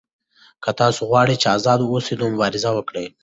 که تاسو غواړئ چې آزاد اوسئ نو مبارزه وکړئ.